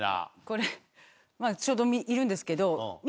これちょうどいるんですけど。